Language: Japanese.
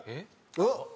あっ！